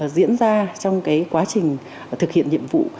diễn ra trong quá trình thực hiện nhiệm vụ